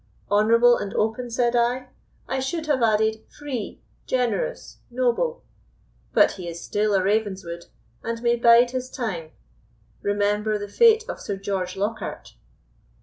Honourable and open, said I? I should have added, free, generous, noble. But he is still a Ravenswood, and may bide his time. Remember the fate of Sir George Lockhart."